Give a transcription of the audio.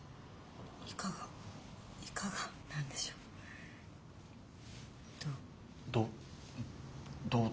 いかがいかがなんでしょうどう？